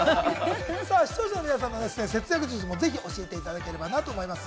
視聴者の皆さんの節約術もぜひ教えていただけたらなと思います。